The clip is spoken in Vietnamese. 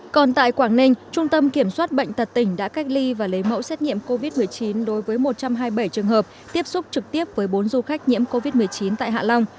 còn tại quảng ninh trung tâm kiểm soát bệnh tật tỉnh đã cách ly và lấy mẫu xét nghiệm covid một mươi chín đối với một trăm hai mươi bảy trường hợp tiếp xúc trực tiếp với bốn du khách nhiễm covid một mươi chín tại hạ long